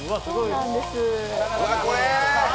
そうなんです。